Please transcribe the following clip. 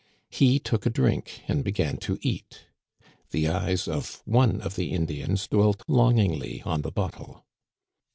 He took a drink and began to eat. The eyes of one of the Indians dwelt longingly on the bottle.